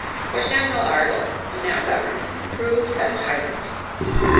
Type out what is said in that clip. For Samuel Argall, who now governed, proved a tyrant.